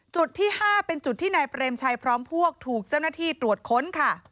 จุดที่๕เป็นจุดที่นายเปรมชัยพร้อมพวกถูกเจ้าหน้าที่ตรวจค้นค่ะ